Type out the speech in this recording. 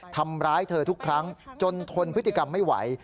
ทำร้ายเธอทุกครั้งจนทนพฤติกรรมไม่ไหว